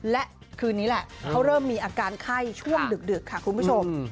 และคืนนี้แหละเขาเริ่มมีอาการไข้ช่วงดึกค่ะคุณผู้ชม